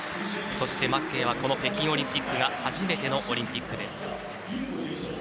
そして、マッケイはこの北京オリンピックが初めてのオリンピックです。